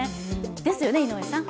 ですよね、井上さん？